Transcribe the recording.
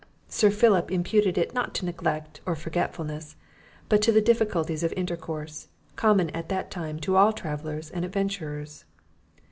Sir Philip imputed it not to neglect or forgetfulness, but to the difficulties of intercourse, common at that time to all travellers and adventurers.